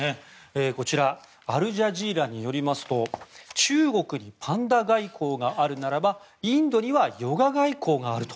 こちらアルジャジーラによりますと中国にパンダ外交があるならばインドにはヨガ外交があると。